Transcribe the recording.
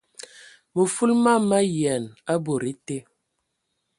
Mə fulu mam ma yian a bod été.